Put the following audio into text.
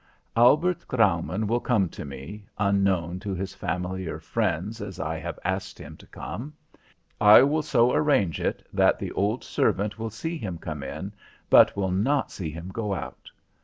Albert Graumann will come to me, unknown to his family or friends, as I have asked him to come. I will so arrange it that the old servant will see him come in but will not see him go out.